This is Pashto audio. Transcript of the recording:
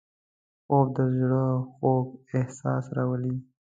خوب د زړه خوږ احساس راولي